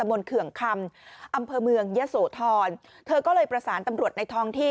มนต์เขื่องคำอำเภอเมืองยะโสธรเธอก็เลยประสานตำรวจในท้องที่